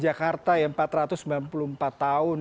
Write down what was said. jakarta ya empat ratus sembilan puluh empat tahun